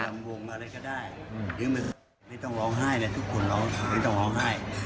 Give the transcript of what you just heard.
มีลำวงมาอะไรก็ได้ไม่ต้องร้องไห้ทุกคนร้องไห้ไม่ต้องร้องไห้